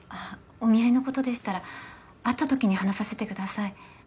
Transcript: お見合いのことでしたら会った時に話させてください